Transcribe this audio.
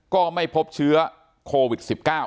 ก็ไม่พบเชื้อโควิด๑๙